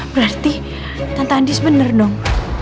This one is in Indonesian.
berarti tante andi sebenernya dong